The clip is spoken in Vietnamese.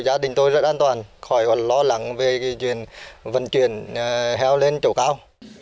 gia đình tôi rất an toàn khỏi lo lắng về chuyện vận chuyển heo lên chỗ cao